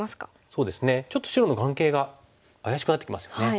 そうですねちょっと白の眼形が怪しくなってきますよね。